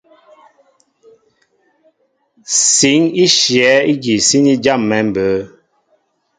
Sǐn í shyɛ̌ ígi síní jâm̀ɛ̌ mbə̌.